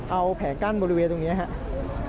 เอาแผงกั้นบริเวณตรงนี้ครับ